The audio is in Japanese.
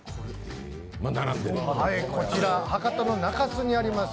こちら博多の中洲にあります